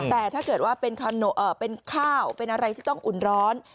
แต่ถ้าเกิดว่าเป็นข้าวเป็นอะไรที่ต้องอุ่นร้อน